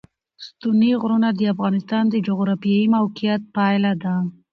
ستوني غرونه د افغانستان د جغرافیایي موقیعت پایله ده.